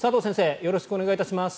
よろしくお願いします。